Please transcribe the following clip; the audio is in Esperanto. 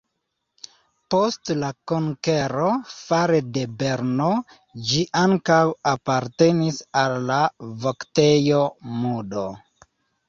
Post la konkero fare de Berno ĝi ankaŭ apartenis al la Voktejo Moudon.